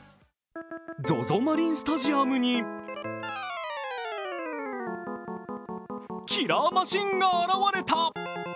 マリンスタジアムにキラーマシンが現れた。